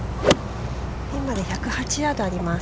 ◆ピンまで１０８ヤードあります。